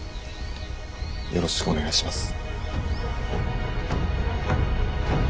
よろしくお願いします。